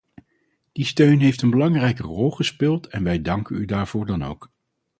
Die steun heeft een belangrijke rol gespeeld en wij danken u daarvoor dan ook.